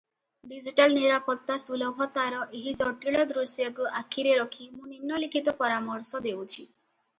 Digital ନିରାପତ୍ତା ସୁଲଭତାର ଏହି ଜଟିଳ ଦୃଶ୍ୟକୁ ଆଖିରେ ରଖି ମୁଁ ନିମ୍ନଲିଖିତ ପରାମର୍ଶ ଦେଉଛି ।